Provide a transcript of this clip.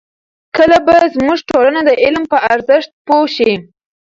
کله به زموږ ټولنه د علم په ارزښت پوه شي؟